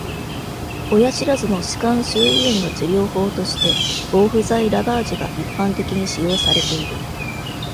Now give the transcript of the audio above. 親知らずの歯冠周囲炎の治療法として、防腐剤ラバージが一般的に使用されている。